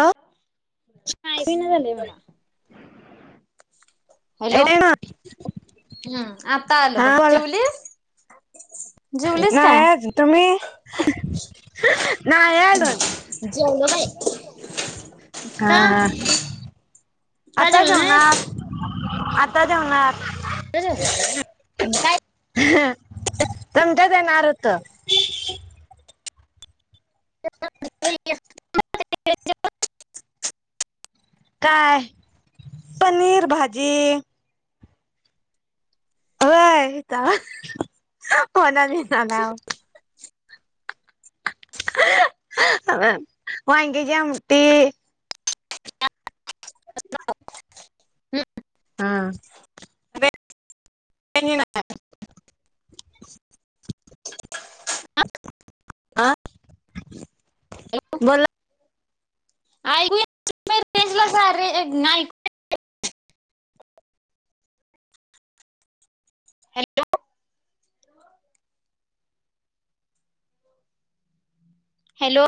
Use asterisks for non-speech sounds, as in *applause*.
Hello बी ना झाले मला हॅलो येतोय ना हम्म आता आलं हा बघ बोला चिवलीस नाही अजून तुम्ही नाही अजून, जेवलो बाई हा का हा का आता जेवली नाहीस? जेवणार, आता जावणार, आता जेवणार, काय तुमच्या येणार होतो. *inaudible* काय? पनीर, भाजी होय, *unintelligible* आ वांंग्याची आमटी, हम् हा अ बोला, *inaudible* हॅलो, हॅलो,